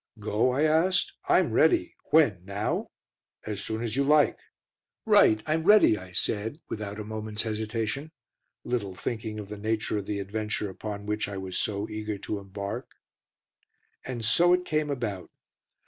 "Go?" I asked. "I'm ready. When? Now?" "As soon as you like." "Right, I'm ready," I said, without a moment's hesitation, little thinking of the nature of the adventure upon which I was so eager to embark. And so it came about.